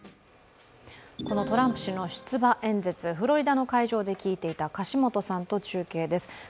トランプ氏の出馬演説、フロリダの会場で聞いていた樫元さんと中継です。